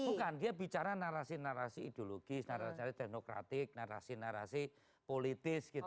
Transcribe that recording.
bukan dia bicara narasi narasi ideologis narasi narasi teknokratik narasi narasi politis gitu